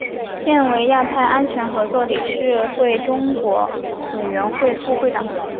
现为亚太安全合作理事会中国委员会副会长。